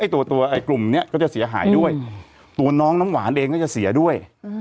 ตัวกลุ่มนี้ก็จะเสียหายด้วยตัวน้องน้ำหวานเองก็จะเสียด้วย